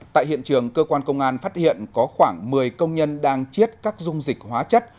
tại hiện trường cơ quan công an phát hiện có khoảng một mươi công nhân đang chiết các dung dịch hóa chất